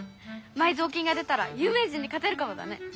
埋蔵金が出たらゆう名人にかてるかもだね！